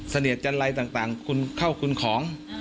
เสนียจันไรต่างคุณเข้าคุณของ